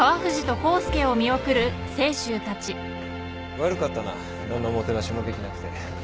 悪かったな何のもてなしもできなくて。